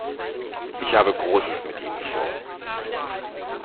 Ich habe Großes mit Ihnen vor.